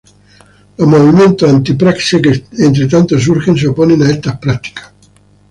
Los movimientos anti-praxe que entretanto surgen se oponen a estas prácticas.